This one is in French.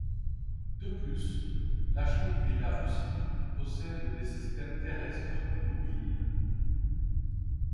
De plus, la Chine et la Russie possèdent des systèmes terrestres mobiles.